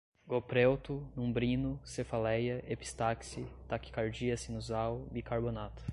goprelto, numbrino, cefaleia, epistaxe, taquicardia sinusal, bicarbonato